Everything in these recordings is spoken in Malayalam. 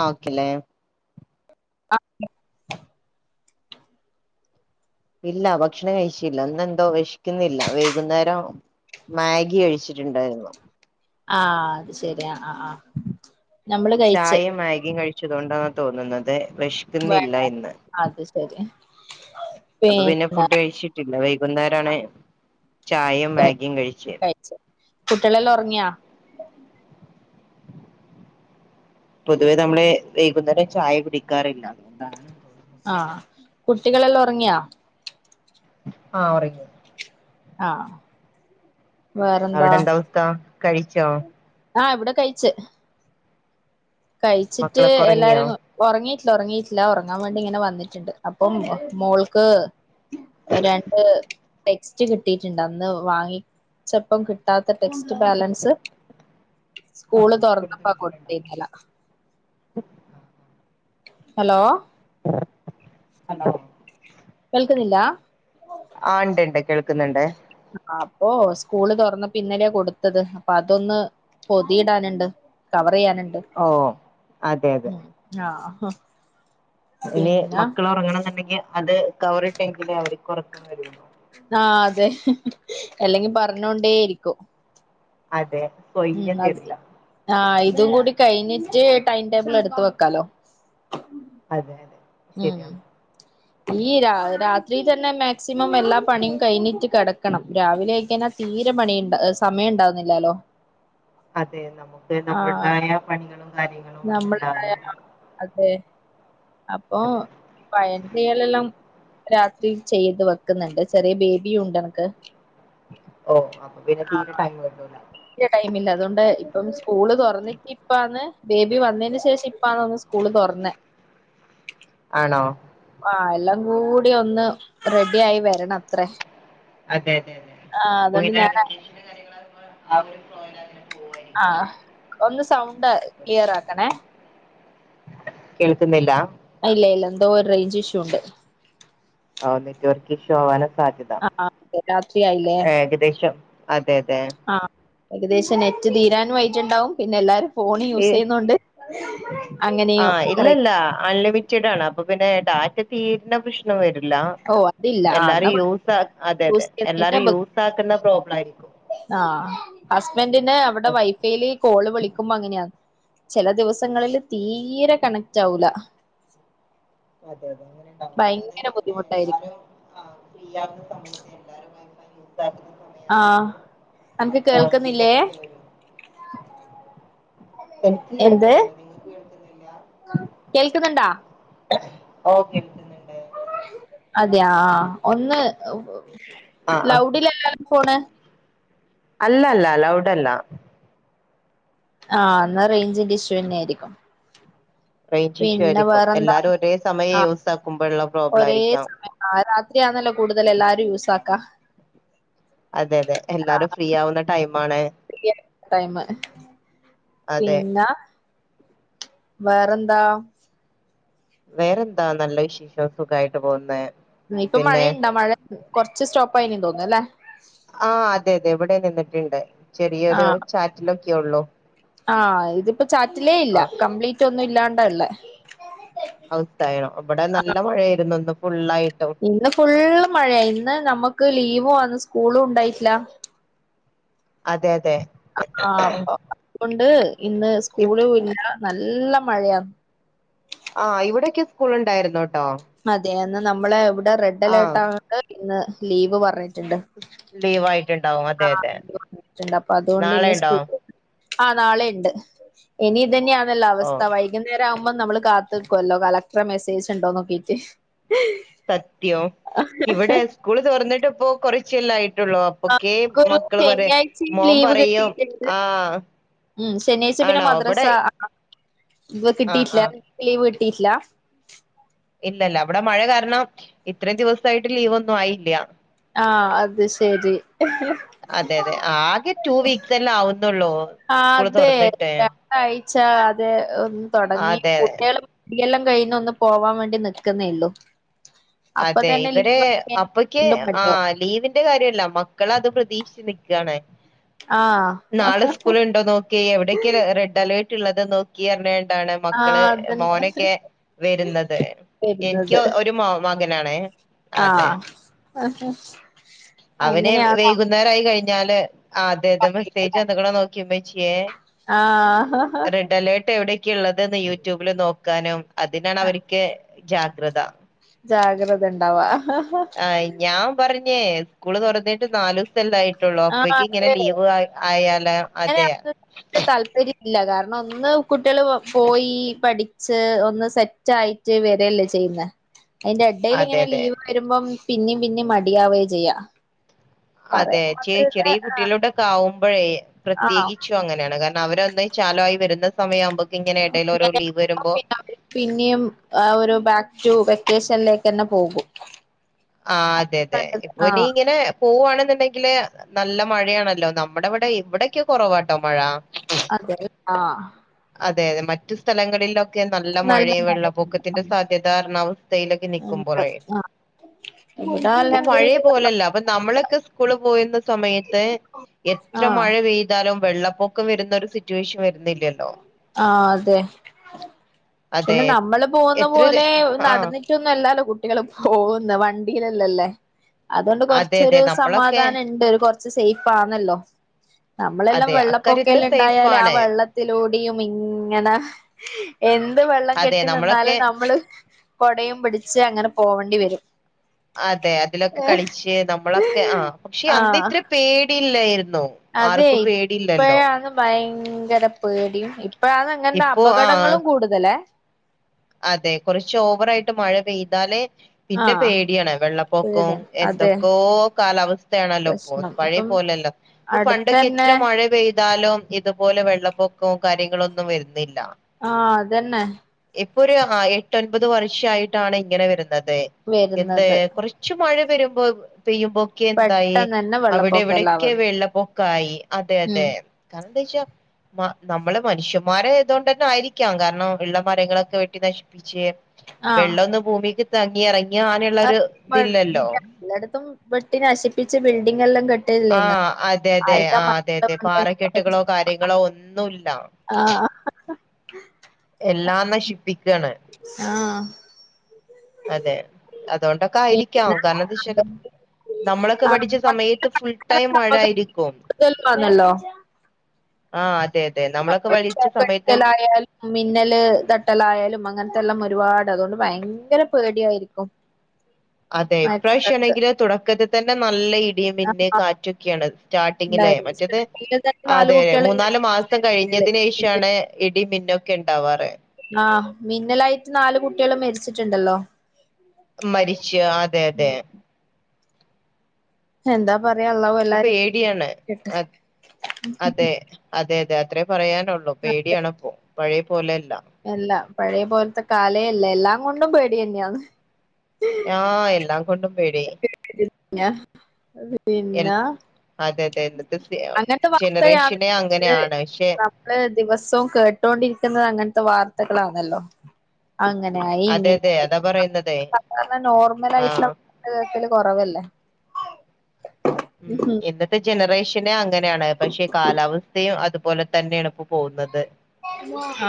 ആഹ് ഓക്കെ ല്ലേ. ആഹ് ഇല്ല ഭക്ഷണം കഴിച്ചില്ല ഇന്നെന്തോ എന്തോ വെശ്ക്കുന്നില്ല. വൈകുന്നേരം മാഗി കഴിച്ചിട്ടുണ്ടായിരുന്നു. ആഹ് അത് ശരിയാ. ആഹ് ആഹ് ഞമ്മള് കഴിച്ച്. ച്ചതോണ്ടാന്നാ തോന്നുന്നത്. വേണ്ട വെശ്ക്കുന്നില്ല ഇന്ന്. അത് ശരി അപ്പ പിന്നെ ഫുഡ് കഴിച്ചിട്ടില്ല വൈകുന്നേരാണ് ചായയും കഴി- മാഗിയും കഴിച്ചെ. കഴിച്ച് കുട്ടികളെല്ലാം ഉറങ്ങിയാ പൊതുവേ നമ്മള് വൈകുന്നേരം ചായ കുടിക്കാറില്ല. അതുകൊണ്ടാണ് ആഹ് കുട്ടികളെല്ലാം ഉറങ്ങിയാ ആ ഉറങ്ങിറങി- ആഹ് വേറെന്താ അവിടെ എന്ത അവസ്ഥ കഴിച്ചോ ആ ഇവിടെ കഴിച്ച് കഴിച്ചിട്ട് മക്കളൊക്കെ ഉറങ്ങിയോ എല്ലാരും ഉറങ്ങി. ഇല്ല ഉറങ്ങീട്ടില്ല ഉറങ്ങാൻ വേണ്ടി ഇങ്ങനെ വന്നിട്ടുണ്ട്. അപ്പം മോൾക്ക് രണ്ട് ടെക്സ്റ്റ് കിട്ടിയിട്ടുണ്ട്. അന്ന് വാങ്ങിച്ചപ്പം കിട്ടാത്ത ടെക്സ്റ്റ് ബാലൻസ്- സ്കൂള് തുറന്നപ്പോ കൊടുത്തീന്നല്ല ഹലോ ഹലോ കേൾക്കുന്നില്ലാ- ആഹ് ഇണ്ട്ണ്ട് കേൾക്കുന്നുണ്ട് ഓ സ്കൂള് തുറന്നപ്പോ ഇന്നലെയാ കൊടുത്തത് അപ്പൊ അതൊന്ന് പൊതിടാനുണ്ട് കവർ ചെയ്യാനുണ്ട്. ഓ അതെ ണ്ട് അതെ ഉം ആഹ് ആഹ് ഇനി മക്കള് ഒറങ്ങണംന്ന്ണ്ടെങ്കി അത് കവറ് ഇട്ടെങ്കിലെ അവര് ആഹ് അതെ അല്ലെങ്കി പറഞ്ഞോണ്ടേ ഇരിക്കും. അതെ സ്വൈര്യം ഉം അതെ തരില്ല ആഹ് അയി ഇതും കൂടി കഴിഞ്ഞിട്ട് ടൈം ടേബിള് എട്ത്ത് വെക്കാലോ അതെ അതെ ഉം ശരിയാണ് ഈ രാ രാത്രിയി തന്നെ മാക്സിമം എല്ലാ പണിയുംകഴിഞ്ഞിട്ട് കിടക്കണം രാവിലെ ആയികഴിഞ്ഞ തീരെ പണിണ്ട സമയം ഉണ്ടാവുന്നില്ലാലോ അതെ നമുക്ക് നമ്മുടേതായ പണികളും കാര്യങ്ങളും നമ്മളതായ അതുണ്ടാവും അതെ അപ്പൊ അതെ പ [unintelligible] രാത്രി ചെയ്ത് വെക്കുന്നുണ്ട് ചെറിയ ബേബിയുണ്ട് എനക്ക് ഓ അപ്പൊ പിന്നെ തീരെ ടൈം കിട്ടൂല തീരെ ടൈമില്ല അതുകൊണ്ട് ഇപ്പം സ്കൂള് തുറന്നിട്ട് ഇപ്പാന്ന് ബേബി വന്നതിന് ശേഷം ഇപ്പാന്ന ഒന്ന് സ്കൂള് തുറന്നേ ആണോ ആ എല്ലാം കൂടി ഒന്ന് റെഡി ആയി വരണ അത്രേ അതെ അതെ അതെ ആഹ് അപ്പൊ അതൊണ്ട് ഇങ്ങനെ ഞാന വെക്കേഷന് കാര്യങ്ങളാകുമ്പോ ആ അവർ പോയ ആഹ് ഒന്ന് സൗണ്ട് ക്ലിയർ ആക്കണേ കേൾക്കുന്നില്ല ഇല്ല ഇല്ല എന്തോ ഒരു റേഞ്ച് ഇഷ്യൂ ഉണ്ട് ഓഹ് നെറ്റ് വർക്ക് ഇഷ്യു ആവാനാ സാധ്യത ആ രാത്രി ആയില്ലേ ഏകദേശം അതെ അതെ ആ ഏകദേശം നെറ്റ് തീരാനും ആയിട്ടുണ്ടാവും പിന്നെ എല്ലാരും ഫോൺ യൂസ് ചെയ്യുന്നോണ്ട് ആ അങ്ങനെയോ റേ ഇല്ലല്ല അൺലിമിറ്റഡ് ആണ് അപ്പൊ പിന്നെ ഡാറ്റ തീര്ന പ്രശ്നം വരു ഓ അതില്ല എന്ന കുഴപ്പല്യ ആ അതെ അതെ എല്ലാരും യൂസ് ആക്കുന്ന [unintelligible] പ്രോബ്ലം ആയിരിക്കും ആ ഹസ്ബൻഡിന് അവിടെ ആ വൈഫൈൽ കോള് വിളിക്കുമ്പോ അങ്ങനെയ ചെല ദിവസങ്ങളില് തീരെ കണക്റ്റ് ആവൂല അതെ അതെ അങ്ങനെണ്ടാവും കാരണം എന്താന്ന് ഭയങ്കര വെച്ച ബുദ്ധിമുട്ടായിരിക്കും എന്നാലും ഫ്രീയാവുന്ന സമയത്ത് എല്ലാരും വൈഫൈ യൂസ് ആക്കുന്ന ആഹ് സമയാകുമ്പോ അൻക്ക് ആഹ് ഡിലേ കേൾക്കുന്നില്ലേ ആയിട്ട് വരും എനിക്ക് എന്ത് കേൾക്കുന്നുണ്ട് നിങ്ങൾക്ക് കേൾക്കുന്നില്ല കേൾക്കുന്നുണ്ടാ ഓ കേൾക്കുന്നുണ്ട് അതെയാ ആ ഒന്ന് ആഹ് ആഹ് ലൗടി ലല്ലല്ലോ ഫോണ് അല്ല അല്ല ലൗഡ് അല്ല ആഹ് എന്ന റെയ്ഞ്ചിന്റെ ഇഷ്യു തന്നെ ആയിരിക്കും റേഞ്ച് ഇഷ്യൂ പിന്നെ ആയിരിക്കും വേറെന്താ എല്ലാരും ഒരേ സമയം ആഹ് യൂസ് ആക്കുമ്പോഴ്ള്ള പ്രോബ്ലം ആയിരിക്കാം [unintelligible] കൂടുതല് എല്ലാരും യൂസാക്കാ അതെ അതെ എല്ലാരും ഫ്രീയാവുന്ന ടൈമാണെ ഫ്രീ ടൈമ് അതെ പിന്നെ വേറെന്താ വേറെന്താ നല്ല വിശേഷം സുഖായിട്ട് പോവുന്നെ ഇപ്പൊ പിന്നെ മഴയുണ്ടാ മഴ കൊറച്ച് സ്റ്റോപ്പ് ആയിന് തോന്നുന്നുല്ലേ ആഹ് അതെ അതെ ഇവിടെ നിന്നിട്ട്ണ്ട് ചെറിയൊരു ആഹ് ചാറ്റിലൊ യുള്ളൂ ആഹ് ഇത്പ്പോ ചാറ്റ്ലേയില്ല കംപ്ലീറ്റൊ ന്നു ഇല്ലാണ്ടല്ല [unintelligible] ഇവടെ നല്ല മഴയായിരുന്നെന്നും ഇന്ന് ഫുള്ളും മഴെ ഇന്ന് നമ്മക്ക് ലീ വും ആണ് സ്കൂളും ഉണ്ടായിട്ടില്ല അതെ അത് ആഹ് ആഹ് അപ്പം അത് കൊൺ ണ്ട് ഇന്ന് ഇവ്- സ്കൂളും ഇല്ല. നല്ല മഴയാ ആഹ് ഇവിടെ ഒക്കെ സ്കൂൾ ഇണ്ടായിരുന്നു അതെ അ ന്ന് നമ്മെളെ ഇവ് റെഡ് അലെർട്ട് ആവ്ണോണ്ട് ഇന്ന് ലീവ് പറ ലീവായി ആഹ് [unintelligible] അപ്പ അത് കൊണ്ട് നാളെ ഇന്ന് ഉണ്ടോ സ്കൂ ആ നാളിം ഇണ്ട് ഇനി ഇതെന്നെയാ നല്ല ഓ അവസ്ഥ വൈകുന്നേരം തെ ആവുമ്പോ നമ്മള് കാത്ത്‌ നിൽക്കുവല്ലോ കളക്ടറെ മെസ്സേജ് ഉണ്ടോ നോക്കീട്ട് സത്യോ ഇവിടെ സ്കൂള് തോറന്നിട്ടിപ്പോ കുറച്ചല്ലായി- ആ നമുക്ക് ഒരു ശനിയാഴ്ച മോൻ ലീവ് കിട്ടിട്ട് പറയും ഇണ്ട് ആ ഉം ശനിയാഴ്ച പിന്നെ ആണോ മദ്രസ ഇവിടെ ആഹ് വ് ആ കിട്ടിട്ട് ആ ഇല്ല ലീവ് കി ട്ടിട്ട് ഇല്ല ഇല്ല ഇല്ല ഇവെടെ മഴ കാരണം ഇത്രയും ദിവ്സായിട്ട് ലീവ് ഒന്നും ആയില്ല്യാ ആഹ് അത് ശരി ആഹ് അതെ അതെ ആകെ ടു വീക്സ് എല്ലാം ആവുന്നുള്ളൂ ആ സ്കൂള് അതെ തുറന്നിട്ട് രണ്ടാ ച്ച അത് ഒന്ന് തുടങ്ങി. അതെ അതെ കുട്ടികൾ ഇനിയെല്ലാം കഴിഞ്ഞ്ഒന്ന് പോവാൻ വേണ്ടി നിൽക്കുന്നേള്ളു. അതെ ഇവരെ അപ്പക്ക് വീണ്ടും ആ മടിയാവും ലീവിന്റെ കാര്യമല്ല മക്കള്അത് പ്രതീക്ഷിച്ച്നിക്കാണ്. ആഹ് നാളെ ആഹ് സ്കൂള് ഉണ്ടോ നോക്കി എവിടക്കയാ റെഡ് അലേർട്ട് റ്റുള്ളത് നോക്കി അ [unintelligible] മക്കള് അതന്നെ മോനൊക്കെ വരുന്നത്. എനിക്ക് വരുന്നത് ഒരു മോ മകനാണെ. അതെ. ആഹ അവനെ വൈകുന്നേരായി കഴിഞ്ഞാല് ആ അതെ അതെ മെസ്സേജ് എന്തെക്കെ നോക്കിയേഉമ്മച്ചിയേ ആഹ് റെഡ് അലേർട്ട് എവിടെ ഉള്ളത്‌ യൂട്യൂബില് നോക്കാനും അതിനാണ് അവർക്ക് ക്യ കൃത ജാഗ്രത ഉണ്ടാവാ. ആ ഞാൻ പറഞ്ഞ ല്ലേ സ്കൂള് തുറന്നിട്ട് നാല്ദിവസം അല്ലെയായിട്ടു ട്ടുള്ളു. ആഹ് അപ്പേഴക്ക്ഇങ്ങനെ അതെ ലീവ് ആയാ ആയാല് [inaudible] താല്പര്യം ഇല്ല കാരണം ഒന്ന് കുട്ടികള് പോയി പഠിച്ച് ഒന്ന് സെറ്റ് ആയിട്ട് വരിയല്ലേ ചെയ്യുന്നേ? അതിന്റ ഇടയിൽ അതെ ഇങ്ങനെ അതെ ലീവ് വരുമ്പം പിന്നെയും പിന്നേയുംമടിയാവുക ചെയ്യാ. പറയാൻ അതെ ചെ മാത്രല്ല ചെറിയ കുട്ടികളോടെക്കെ ആവുമ്പോഴേ ആഹ് ആഹ് പ്രത്യേകിച്ചു അങ്ങനെയാണ് കാരണ അവരൊന്ന് ചാലു ആയി വരുന്ന സമയമാവുമ്പം [inaudible] പിന്നെയും ഒരു ബാക്ക് റ്റു വെ ക്കേഷൻലേക്കന്നെപോകും. ആ അതെ അതെ ഇപ്പൊ ഇനി ഇങ്ങനെ പൂവുവാണെന്ന ണ്ടെങ്കില് നല്ല മഴയാണല്ലോ നമ്മുടെ ഇവിടെ ഇവിടെക്കെ കുറവാട്ടോ മഴ. അതെ ആഹ് അതെ അതെ മറ്റു സ്ഥലങ്ങളിലൊ നല്ല മഴയും വെള്ളപ്പൊക്കത്തിന്റെ സാധ്യത കാരണാവസ്ഥയിലൊക്കെ നിൽക്കുമ്പോഴേ ആഹ് ഇവിടെ ഇപ്പം പഴയ അൽഹംദുലില്ലാഹ് പോലല്ല അപ്പൊ നമ്മളൊക്കെ സ്കൂള് പോയുന്ന സമയത്ത് എത്ര ആഹ് മഴ പെയ്താലും വെള്ളപ്പൊക്കം വരുന്ന ഒരു സിറ്റുവേഷൻ വരുന്നില്ലല്ലോ? ആ അതെ അതെ. പിന്നെ നമ്മള് പോവുന്ന എത്ര ദി പോലെ ആഹ്. നടന്നിട്ടൊന്നു അല്ലാലോ കു ട്ടികൾ പോവുന്ന വണ്ടിയിലെല്ലല്ലേ അതോണ്ട് അതെ, അതെ. കൊറ്ച്ചൊരു നമ്മളൊക്കെ സമാധാനണ്ട് കൊ സ് സൈഫാന്നല്ലോ നമ്മളെല്ലാ അതെ അക്കാര്യത്തില് വെള്ളപ്പൊക്കെല്ലാണ്ടായാല് ആ സേഫാണ്. വെള്ളത്തിലൂടെയും ഇങ്ങനെ എ ത് വെള്ളം അതെ കെട്ടി നിന്നാല് നമ്മളൊക്കെ നമ്മള് കൊടയും പിടിച്ച് അങ്ങനെ പോവണ്ടി വരും അതെ അതിലൊക്കെ കളിച്ച് നമ്മളൊക്കെ ആ പക്ഷെ അന്ന് ആഹ് ഇത്ര പേ ടില്ലായിരു അതെ ഇപ്പഴാണ് ഭയ ങ്കര പേടിയും ഇപ്പഴാന്ന് ഇങ്ങനെ ഇപ്പോ അപകടങ്ങളും ആഹ് കൂടുതലേ അതെ കൊറച്ച് ഓവറായിട്ട് മഴ പെയ്താലേ പിന്നെ ആഹ് പേടിയാണ്. വെള്ളപ്പൊക്കവും പേടിയാണ് അതെ എന്തൊക്കോ കാലാവസ്ഥയാണല്ലോ ഇപ്പോ പ്രശ്നം പഴയ ഇപ്പം പോലല്ല. ഇപ്പ പണ്ടൊക്ക അടുത്തന്നെ എത്ര മഴ പെയ്താലും ഇതുപോലെ വെള്ളപ്പൊക്കവും കാര്യങ്ങളൊന്നും വര് ആ അതന്നെ ഇപ്പരു ആ എട്ടൊൻപത് വർഷായിട്ടാണ് ഇങ്ങനെ വര് അതെ എന്തെ വരുന്നത് കൊറച്ച് മഴെ വരുമ്പോ പെയ്യുമ്പോക്കെന്തായേ പെട്ടെന്ന് തന്നെ അവിടെ ഇവിടെക്കെ വെള്ളപ്പൊക്കെല്ലാവുന്നു വെള്ളപ്പൊക്കായി അതെ ഉം അതെ കാരണം [unintelligible] മ നമ്മള് മനുഷ്യമാരേതോണ്ടന്നെ ആയിരിക്കാ കാരണം ഇള്ള മരങ്ങളൊ ക്കെ വെട്ടി നശിപ്പി ച്ചെ വെള്ളൊന്ന് ഭൂമീക്ക് തങ്ങി എറ [unintelligible] എല്ലാട്ത്തും വെട്ടി നശിപ്പിച്ച് ബിൽഡിം ങ്ങല്ലാം കെ ആ അതെതെ ആ അതെതെ പാറക്കെട്ടുകളോ കാര്യങ്ങളോ ഒന്നു ല്ല ആഹ് എല്ലാം നശിപ്പിക്കാണ് ആഹ് അതെ പിന്നെ അതൊണ്ടൊക്കായിരിക്കാം കാരണത് [unintelligible] നമ്മളൊക്കെ പഠിച്ച ആഹ് സമയത്ത് ഫുൾടൈം മഴായിരിക്കും കൂടുതലാണല്ലോ ആ [inaudible] ലായാലും മിന്നല് തട്ടലായാലും അങ്ങനെ ത്തെല്ലാം ഒരുപാട് അതുകൊണ്ട് ഭയങ്കര പേടിയായിരിക്കും അതെ ഇപ്രാവശ്യം മഴക്കാലത്ത് ആണെങ്കില് തുടക്കത്തി തന്നെ നല്ല ഇടി ആ മിന്നലും ആ കാറ്റൊക്കെയാണ് സ്റ്റാർട്ടിങ്ങിലെ ഇണ്ടായി. മറ്റെത് സ്റ്റാർട്ടിങ്ങില് തന്നെ നാല് അതെ അതെ കുട്ടികളല്ലേ മൂന്നാല് മാസം മിന്നല് കഴിഞ്ഞതിന് മിന്നൽ ശേഷമാണ് ഇടിമിന്നെ ഇണ്ടാവാറ് ആ മിന്നലായിട്ട് നാലു കുട്ടികളും മരിച്ചിട്ടുണ്ടല്ലോ മരിച്ചു അതെ അതെ ഉം. എന്താ പറയാ അള്ളാഹു ഇപ്പൊ എല്ലാരേം പേടിയാണ് കാക്കട്ടെ. അതെ അതെതെ പറയാനുള്ളൂ പേടിയാണിപ്പോ പഴയ പോലല്ല് എല്ലാം പഴയ പോലത്തെ കാലെയല്ല എല്ലാം കൊണ്ടും പേടി തന്നെയാണ് ആഹ് എല്ലാം കൊണ്ടും പേടി ഞാൻ എൽ പിന്നെ അതെ അതെ ഇന്നത്തെ സി അങ്ങനത്തെ വാർത്ത ജനറേഷനെ അങ്ങനെയാണ് പക്ഷെ [inaudible] നമ്മള് ദിവസവും കേട്ടോണ്ടിരിക്കുന്നത് അങ്ങനത്തെ വാർത്ത [unintelligible] കളാണല്ലോ അങ്ങനെയായി അതെ അതെ ഇങ്ങനെയായി അതാ പറയുന്നതേ സാധാരണ നോർമൽ ആയിട്ടുള്ള ആഹ് [unintelligible] ത്തികള് കുറവല്ലേ ഉം ഇന്നത്തെ ജനറേഷനെ അങ്ങനെ പക്ഷെ കാലാവസ്ഥയും അത്പോ പോലെ തന്നെയാണ് ഇപ്പോപോകുന്നത്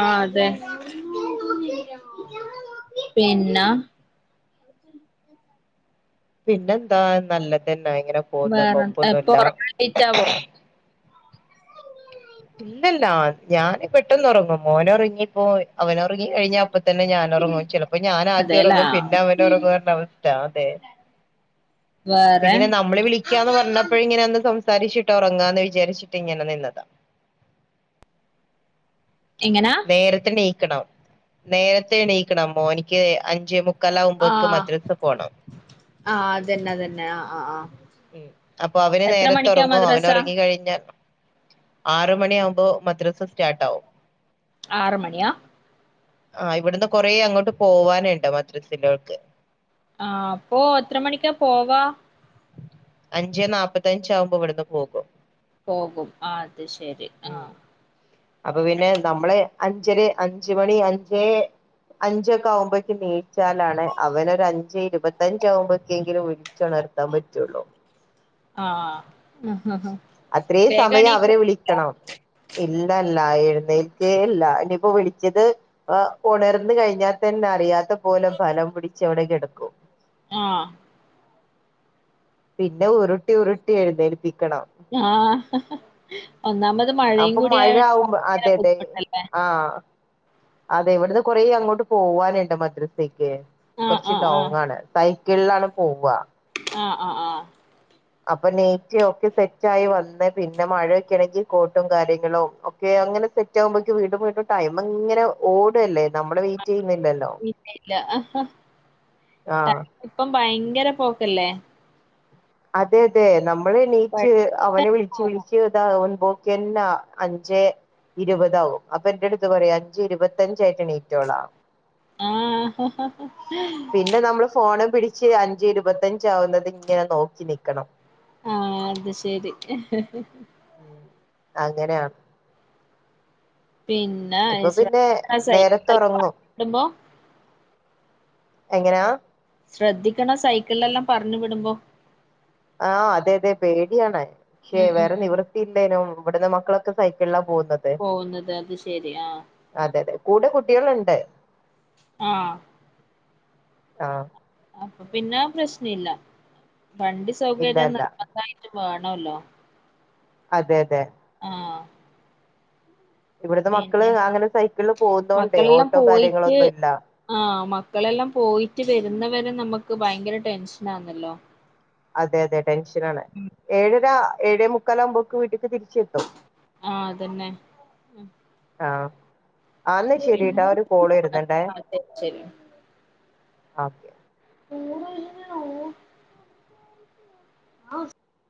ആഹ് അതെ. പിന്ന പിന്നെന്താ നല്ലതന്നെ ഇങ്ങനെ പോകുന്നു വേറെ എപ്പൊ കൊഴപ്പൊന്നുല്ല ഉറങ്ങാൻ ലേറ്റ് ആവുവോ ഇല്ലില്ല ഞാൻ പെട്ടെന്നു ഉറങ്ങും മോനൊറങ്ങിപ്പോ അവനെ ഉറങ്ങിഴിഞ്ഞ അപ്പ തന്നെ ഞാൻ ഉറങ്ങും ചിലപ്പോ ഞാൻ ആദ്യം അതെല്ലേ ഉറങ്ങും പിന്നെ അവനെ ഉറങ്ങുവ അതാ അവസ്ഥ അതെ വേറെ ഇങ്ങനെ നമ്മള് വിളിക്കാന്ന് പറഞ്ഞപ്പോഴ ഇങ്ങനെ സംസാരിക്ക് സംസാരിച്ചിട്ട് ഉറങ്ങാന്ന് വിചാരിച്ചിട്ട് ഇങ്ങനെ നിന്നതാ എങ്ങനാ നേരത്തെ നീ നേരത്തെ നീക്കണം മോന്ക്ക് അഞ്ചേമു മുക്കാലാവുമ്പക്ക് ആഹ് മദ്രസ പോണം ആഹ് അതന്നെ അതന്നെ ആഹ് ആഹ് ആഹ് ഉം അപ്പൊ അവന് എത്ര നേരത്ത് മണിക്കാ ഒറങ്ങും മദ്രസ അവനൊറങ്ങി കഴിഞ്ഞാ ആറ് മണിയാവുമ്പോ മദ്രസ സ്റ്റാർട്ടാവും ആറ് മണിയാ ആഹ് ഇവിടന്ന് കൊറേ അങ്ങോട്ട് പോവാനിണ്ട് മദ്രസിന്റെ അവട്ക്ക് ആഹ് അപ്പൊ എത്ര മണിക്കാ പോവാ അഞ്ചെ നാപത്തഞ്ച് ആവുമ്പോ ഇവിടന്ന് പോകും പോകും ആ അത് ശെരി ഉം ആഹ് അപ്പൊ പിന്നെ നമ്മള് അഞ്ചര അഞ്ച് മണി അഞ്ചേ അഞ്ചൊക്കെ ആവുമ്പേക്ക് നീച്ചാലാണ് അവനൊര് അഞ്ചേ ഇരുപത്തഞ്ച് ആവുമ്പേക്കെങ്കിലും വിളിച്ചുണർ ത്താൻ പറ്റുള്ളൂ ആഹ് അത്രേം വേഗം സമയം എണീക്കോ അവരെ വിളിക്കണം ഇല്ലല്ല എഴുന്നേൽക്കെ ഇല്ല ഇനിപ്പോ വിള ച്ചത് ഏഹ് ഉണർന്ന് കഴിഞ്ഞാ തന്നെ അറിയാത്ത പോലെ ബലം പിടിച്ചവടെ കിടക്കും ആഹ് പിന്നെ ഉരുട്ടി ഉരുട്ടി എഴുന്നേ ആഹ് ഒന്നാമ അപ്പൊ മഴ ആവുമ്പോ അതെ അതെ ബുദ്ധിമുട്ടല്ലേ ആഹ് അതെ ഇവിടന്ന് കുറേ അങ്ങോട്ട് പോവാനിണ്ട് മദ്രസേ ക്ക് ആഹ് കുറച്ച് ആഹ് ആഹ് ലോങ്ങാണ് തൈ സൈക്കിൾലാണ് പോവാ ആ ആ ആ അപ്പൊ നയിറ്റ് ഒക്കെ സെറ്റായി വന്ന പിന്നെ മഴയൊക്കെ ആണെങ്കി കോട്ടും കാര്യങ്ങളും ഒക്കെ അങ്ങനെ സെറ്റ് ആവുമ്പേക്ക് വീണ്ടും വീണ്ടും ടൈം ഇങ്ങനെ ഓട് അല്ലേ നമ്മളെ വെയിറ്റ് ചെയ്യുന്നില്ലല്ലോ ഇല്ല ഇല്ല ആഹ് ഇപ്പം ഭയങ്കര പോക്കല്ലേ അതെ അതെ നമ് നമ്മള് എണീറ്റ് അവനെ പെട്ടെന്ന് വിളിച്ച് പോകും വിളിച്ച് ഇതാവ് അപ്പൊക്കന്നെ അഞ്ചേ ഇരുപത് ആവും അപ്പൊ എന്റെ അടുത്ത് പറയാ അഞ്ചേ ഇരുപത്തഞ്ചായിട്ട് നീറ്റോളാം ആഹ് പിന്നെ നമ്മള് ഫോണ് പിടിച്ച് അഞ്ചെ ഇരുപത്തഞ്ച് ആവുന്നത് ഇങ്ങനെ നോക്കി നിക്കണം ആഹ് അത് ശരി ഉം അങ്ങനെയാണ് പിന്നെ ഇപ്പൊ പിന്നെ [inaudible] നേരത്തെ സൈക്കിളെല്ലാം ഉറങ്ങും ഓട്ടുമ്പോ എങ്ങനാ ശ്രദ്ധിക്കണം സൈക്കിൾലെല്ലാം പറഞ്ഞു വിടുമ്പോ ആഹ് അതെ അതെ പേടിയാണ് പക്ഷെ ഉം ഉം വേറെ ഉം നിവൃത്തിയില്ലേനും ഇവിടന്ന് മക്കളൊക്കെ സൈക്കിളിലാ പോവുന്നത് പോകുന്നത് അത് ശരി ആ അതെതെ കൂടെ കൂ കുട്ടികള്ണ്ട് ആ ആ അപ്പം പിന്നെ ആ പ്രശ്ന ഇല്ല വണ്ടി ഇല്ല സൗകര്യം ഇല്ല നിർബന്ധായിട്ട് വാണോല്ലോ അതെ അതെ ഇവിടുത്തെ മക്കള് പിന്നെ അങ്ങനെ സൈക്കിളിൽ പോകുന്നോണ്ടേ മക്കളെല്ലാം ഓട്ടോ പോയിട്ട് കാര്യങ്ങളൊന്നും ഇല്ല ആ മക്കളെല്ലാം പോയിട്ട് വരുന്നവരെ നമ്മക്ക് ഭയങ്കര ടെൻഷനാണല്ലോ അതെ അതെ ടെൻഷനാണ് ഏഴരാ ഏഴേ മുക്കാലാവുമ്പോക്ക് വീട്ടിക്ക് തിര് ആ അതന്നെ ആ ആ ന്നാ ശെരി പിന്നെ ട്ടാ ഒരു കോള് വരുന്നുണ്ടേ അതെ, അതെ, ശരി ആ ഓക്കെ [unintelligible]